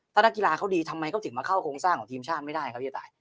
ถ้านักกีฬาเขาดีทำไมเขาถึงมาเข้าโครงสร้างของทีมชาติไม่ได้ครับเย้ตาย